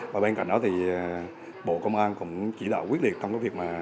và bên cạnh đó thì bộ công an cũng chỉ đạo quyết liệt trong cái việc mà